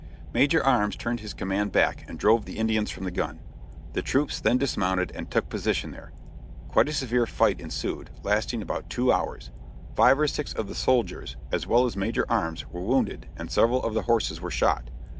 Major Arms turned his command back and drove the Indians from the gun. The troops then dismounted and took position there. Quite a severe fight ensued, lasting about two hours. Five or six of the soldiers, as well as Major Arms, were wounded, and several of the horses were shot.